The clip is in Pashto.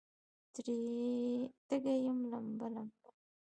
تږې یم لمبه، لمبه